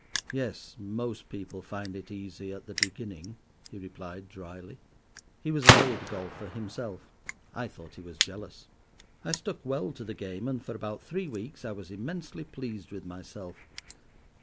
'Yes, most people find it easy at the beginning,' he replied dryly. He was an old golfer himself; I thought he was jealous. I stuck well to the game, and for about three weeks I was immensely pleased with myself.